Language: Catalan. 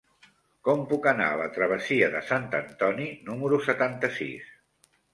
Com puc anar a la travessia de Sant Antoni número setanta-sis?